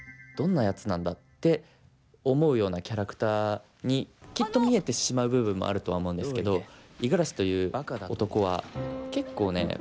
どんなやつなんだ」って思うようなキャラクターにきっと見えてしまう部分もあるとは思うんですけど五十嵐という男は結構ね